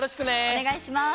おねがいします。